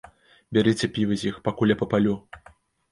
Бярыце піва з іх, пакуль я папалю.